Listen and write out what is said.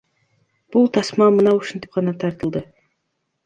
Бул тасма мына ушинтип гана тартылды.